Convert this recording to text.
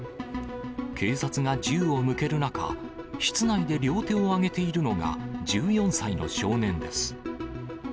警察が銃を向ける中、室内で両手を挙げているのが１４歳の少年です。